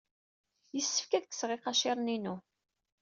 Yessefk ad kkseɣ iqaciren-inu.